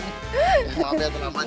maaf ya terlambat